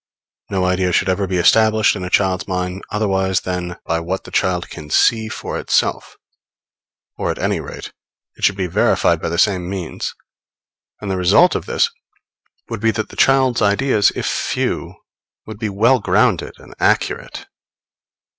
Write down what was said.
No idea should ever be established in a child's mind otherwise than by what the child can see for itself, or at any rate it should be verified by the same means; and the result of this would be that the child's ideas, if few, would be well grounded and accurate.